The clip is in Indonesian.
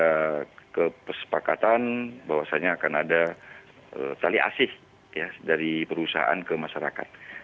ada kesepakatan bahwasannya akan ada tali asih dari perusahaan ke masyarakat